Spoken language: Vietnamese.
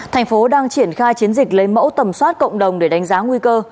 tp hcm đang triển khai chiến dịch lấy mẫu tầm soát cộng đồng để đánh giá nguy cơ